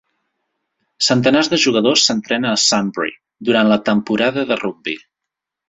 Centenars de jugadors s'entrenen a Sunbury durant la temporada de rugbi.